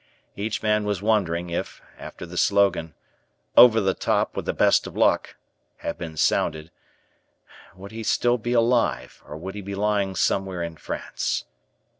Each man was wondering, if, after the slogan, "Over the top with the best of luck," had been sounded, would he still be alive or would he be lying "somewhere in France."